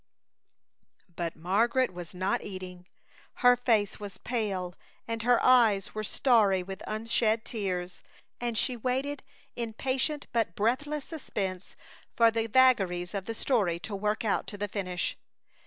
But Margaret was not eating. Her face was pale and her eyes were starry with unshed tears, and she waited in patient but breathless suspense for the vagaries of the story to work out to the finish.